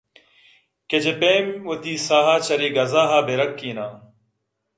کہ چہ پیم وتی ساہ ءَ چرے گزا ءَ بہ رکہّیناں